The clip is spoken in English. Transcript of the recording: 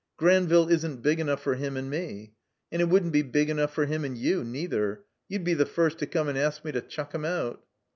Granville isn't big enough for him and me. And it wouldn't be big enough for him and you, neither. You'd be the first to come and ask me to chuck him out."